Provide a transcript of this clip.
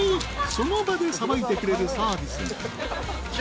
［その場でさばいてくれるサービスも］